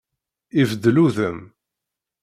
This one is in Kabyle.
Ibeddel udem.